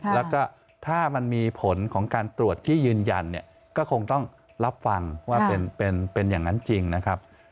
แล้วก็ถ้ามันมีผลของการตรวจที่ยืนยันเนี่ยก็คงต้องรับฟังว่าเป็นอย่างนั้นจริงนะครับ